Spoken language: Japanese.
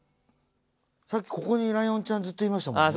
さっきここにライオンちゃんずっといましたもんね。